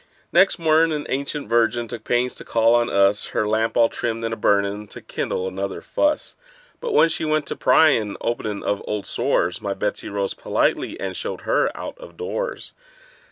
Next mornin' an ancient virgin took pains to call on us, Her lamp all trimmed and a burnin' to kindle another fuss; But when she went to pryin' and openin' of old sores, My Betsey rose politely, and showed her out of doors.